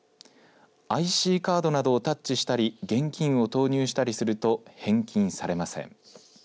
ＩＣカードなどをタッチしたり現金を投入したりすると返金されません。